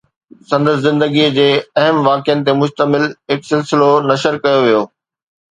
سندس زندگيءَ جي اهم واقعن تي مشتمل هڪ سلسلو نشر ڪيو ويو